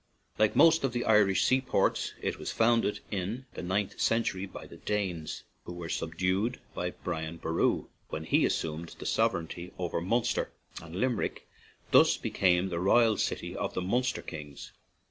Like most of the Irish seaports, it was founded in the ninth century by the Danes, who were subdued by Brian Boru when he assumed the sovereignty over Munster, and Limerick thus became the royal city of the Munster kings.